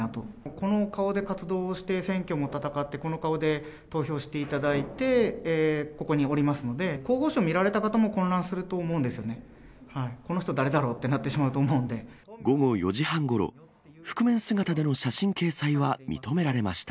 この顔で活動して、選挙も戦ってこの顔で投票していただいて、ここにおりますので、候補者を見られた方も混乱すると思うんですよね、この人、誰だろ午後４時半ごろ、覆面姿での写真掲載は認められました。